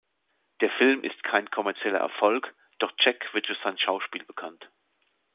Der Film ist kein kommerzieller Erfolg, doch Jack wird durch sein Schauspiel bekannt.